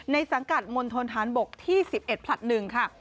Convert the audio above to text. สังกัดมณฑนฐานบกที่๑๑ผลัด๑ค่ะ